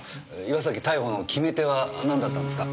岩崎逮捕の決め手は何だったんですか？